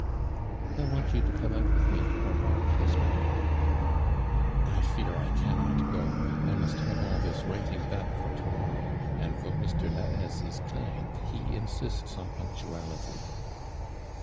" I want you to come out with mo lor a walk, husband?" " 1 fear I cannot go. I must have all this writing done for to morrow, and, though Mr. liahaisc is kind, ho insists on punctuality.''